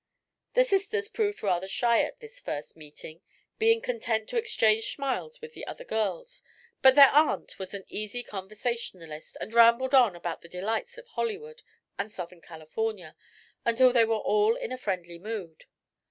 The sisters proved rather shy at this first meeting, being content to exchange smiles with the other girls, but their aunt was an easy conversationalist and rambled on about the delights of Hollywood and southern California until they were all in a friendly mood.